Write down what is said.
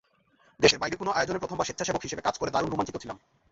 দেশের বাইরে কোনো আয়োজনে প্রথমবার স্বেচ্ছাসেবক হিসেবে কাজ করে দারুণ রোমাঞ্চিত ছিলাম।